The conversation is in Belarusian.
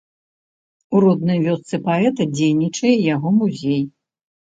У роднай вёсцы паэта дзейнічае яго музей.